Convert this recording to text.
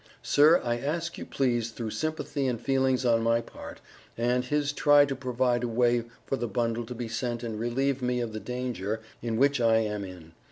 Sir I ask you please through sympathy and feelings on my part & his try to provide a way for the bundle to be sent and relieve me of the danger in which I am in.